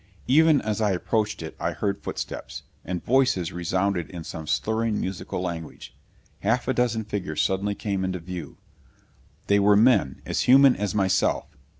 Even as I approached it I heard footsteps, and voices resounded in some slurring, musical language. Half a dozen figures suddenly came into view. They were men, as human as myself!